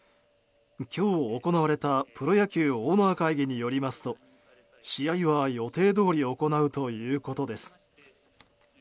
今日、行われたプロ野球オーナー会議によりますと試合は予定どおり行うということです。